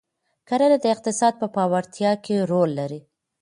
کرنه د اقتصاد په پیاوړتیا کې رول لري.